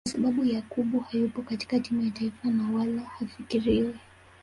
Kwa sababu Yakubu hayupo katika timu ya taifa na wala hafikiriwi